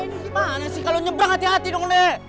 nenek gimana sih kalau nyebrang hati hati dong nenek